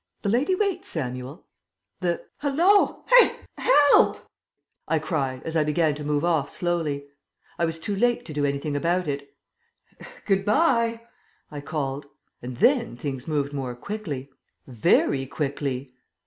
The lady waits, Samuel. The Hallo! Hi! Help!" I cried, as I began to move off slowly. It was too late to do anything about it. "Good bye," I called. And then things moved more quickly.... Very quickly....